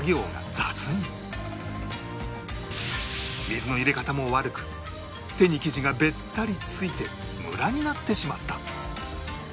水の入れ方も悪く手に生地がベッタリ付いてムラになってしまった